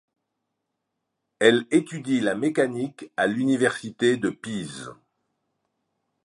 Elle étudie la mécanique à l'université de Pise.